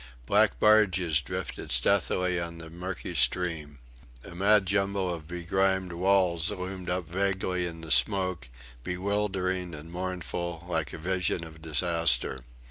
Black barges drifted stealthily on the murky stream. A mad jumble of begrimed walls loomed up vaguely in the smoke, bewildering and mournful, like a vision of disaster.